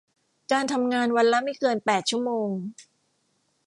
การทำงานวันละไม่เกินแปดชั่วโมง